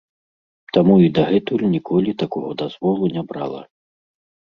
Таму і дагэтуль ніколі такога дазволу не брала.